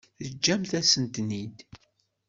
Teǧǧamt-asen-ten-id.